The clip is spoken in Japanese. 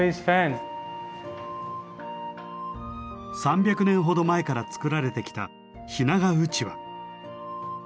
３００年ほど前から作られてきた日永うちわ。